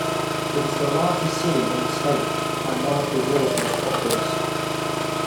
It is the largest city in the state and one of Brazil's most populous.